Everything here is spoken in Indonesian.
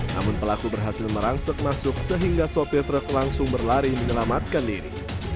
namun pelaku berhasil merangsek masuk sehingga sopir truk langsung berlari menyelamatkan diri